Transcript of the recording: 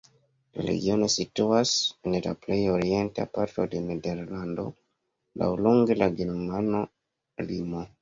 La regiono situas en la plej orienta parto de Nederlando, laŭlonge la germana limo.